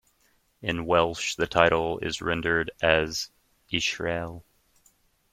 In Welsh the title is rendered as "Isiarll".